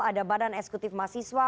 ada badan eksekutif masiswa